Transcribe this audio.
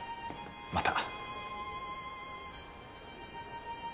また。